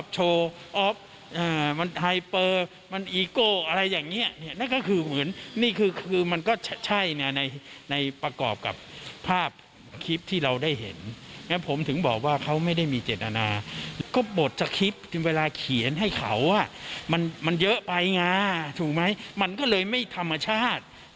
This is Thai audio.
จะคิดเวลาเขียนให้เขาอ่ะมันเยอะไปง่าถูกไหมมันก็เลยไม่ธรรมชาติ